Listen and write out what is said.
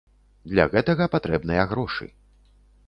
Для гэтага патрэбныя грошы.